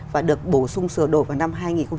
và được bổ sung sửa đổi vào năm hai nghìn chín